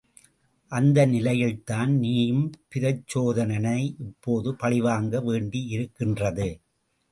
அந்த நிலையில்தான் நீயும் பிரச்சோதனனை இப்போது பழிவாங்க வேண்டியிருக்கின்றது.